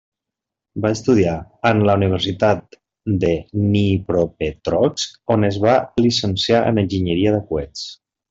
Va estudiar en la Universitat de Dnipropetrovsk, on es va llicenciar en enginyeria de coets.